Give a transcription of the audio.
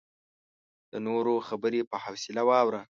د نورو خبرې په حوصله واوره.